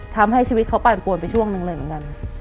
ทำให้ชีวิตเขาปั่นปวนไปช่วงหนึ่งเลยเหมือนกัน